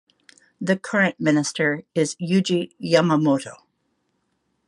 The current minister is Yuji Yamamoto.